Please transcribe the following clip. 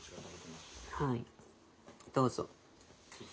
はいどうぞ。